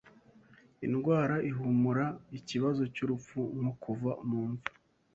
Indwara ihumura Ikibazo cyurupfu nko kuva mu mva